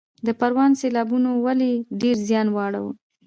د پروان سیلابونو ولې ډیر زیان واړوه؟